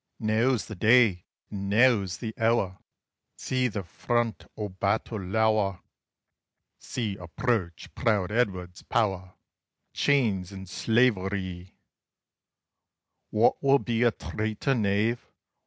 Now's the day, and now's the hour; See the front o' battle lour: See approach proud Edward's power Chains and slaverie! Wha will be a traitor knave?